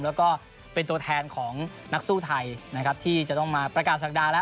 แล้วก็เป็นตัวแทนของนักสู้ไทยนะครับที่จะต้องมาประกาศศักดาแล้ว